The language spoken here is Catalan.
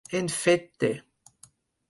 En fet de.